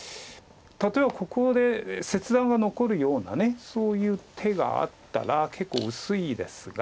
例えばここで切断が残るようなそういう手があったら結構薄いですが。